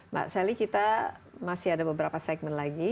mbak sally kita masih ada beberapa segmen lagi